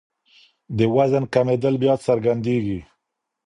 د وزن کمېدل بیا څرګندېږي.